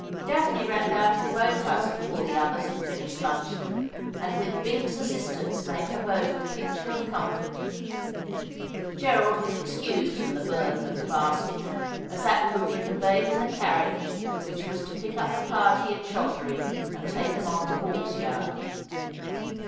Daphne ran down to the boat house before the others had finished luncheon, and with Bink's assistance made her boat a picture of comfort. Gerald was excused from the burden of the basket, as that could be conveyed in the carriage which was to pick up the party at Shottery and take them on to Hawksyard.